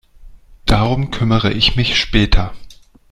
Darum kümmere ich mich später.